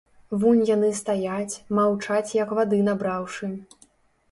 Вунь яны стаяць, маўчаць як вады набраўшы.